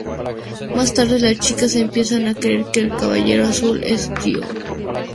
Más tarde, las chicas empiezan a creer que El Caballero Azul es Ryō.